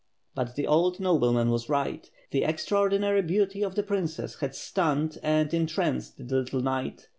But the old nobleman was right; the extraordinary beauty of the princess had stunned and entranced the little knight.